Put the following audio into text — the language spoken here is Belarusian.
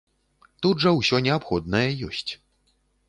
Тут жа ўсё неабходнае ёсць.